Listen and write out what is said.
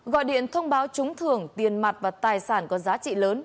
gọi điện thông báo trúng thưởng tiền mặt và tài sản có giá trị lớn